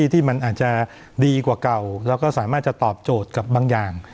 ที่มันอาจจะดีกว่าเก่าแล้วก็สามารถจะตอบโจทย์กับบางอย่าง